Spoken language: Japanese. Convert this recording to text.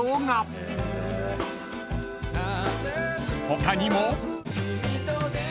［他にも］